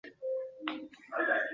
人类生活和社会状况